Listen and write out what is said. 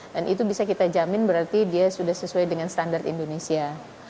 dan itu bisa kita jamin berarti dia sudah sesuai dengan standar indonesia